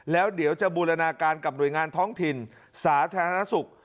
แล้วเดี๋ยวจะบูรณาการกับหน่วยงานท้องถิ่นสาธารณสุข